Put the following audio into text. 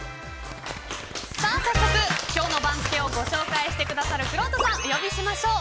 早速、今日の番付をご紹介してくださるくろうとさんお呼びしましょう。